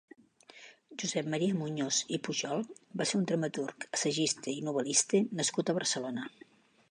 Josep Maria Muñoz i Pujol va ser un dramaturg, assagista i novel·lista nascut a Barcelona.